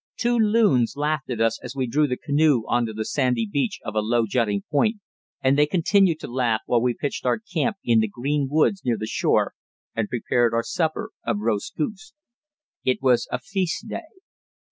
Two loons laughed at us as we drew the canoe on to the sandy beach of a low jutting point, and they continued to laugh while we pitched our camp in the green woods near the shore and prepared our supper of roast goose. It was a feast day.